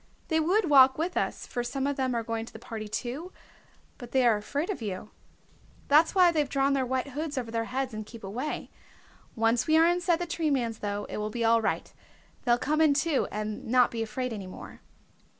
They would walk with us, for some of them are going to the party too, but they are afraid of you. That's why they've drawn their white hoods over their heads and keep away. Once we are inside the Tree Man's, though, it will be all right. They'll come in too, and not be afraid any more."